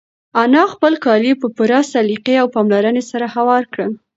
انا خپل کالي په پوره سلیقې او پاملرنې سره هوار کړل.